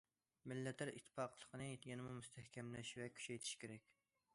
مىللەتلەر ئىتتىپاقلىقىنى يەنىمۇ مۇستەھكەملەش ۋە كۈچەيتىش كېرەك.